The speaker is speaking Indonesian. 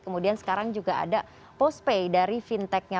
kemudian sekarang juga ada postpay dari fintechnya